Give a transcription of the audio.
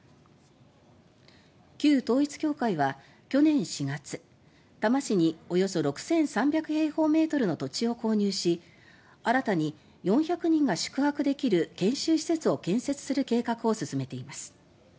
旧統一教会は去年４月多摩市におよそ６３００平方メートルの土地を購入し新たに４００人が宿泊できる研究施設を建設する計画を進めています。